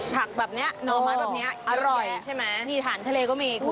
ผักแบบนี้หน่อไม้แบบนี้อร่อยใช่ไหมมีอาหารทะเลก็มีคุณ